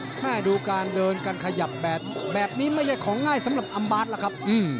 แม่ดูการเดินการขยับแบบนี้ไม่ใช่ของง่ายสำหรับอัมบาร์ดล่ะครับ